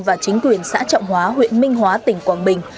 và chính quyền xã trọng hóa huyện minh hóa tỉnh quảng bình